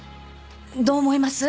どう思います？